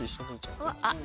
うわっ！